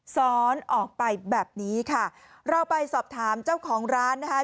ซ้อนออกไปแบบนี้ค่ะเราไปสอบถามเจ้าของร้านนะคะ